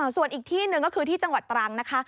ส่วนอีกที่หนึ่งก็คือที่จังหวัดตรังนะคะ